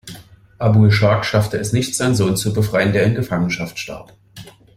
Abul-Shawk schaffte es nicht, seinen Sohn zu befreien, der in Gefangenschaft starb.